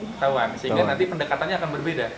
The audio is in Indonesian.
ketahuan sehingga nanti pendekatannya akan berbeda